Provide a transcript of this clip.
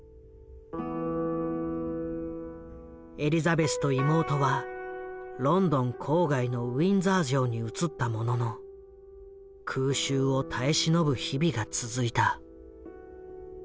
エリザベスと妹はロンドン郊外のウィンザー城に移ったものの空襲を耐え忍ぶ日々が続いた。